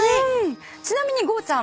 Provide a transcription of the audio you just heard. ちなみにゴーちゃん。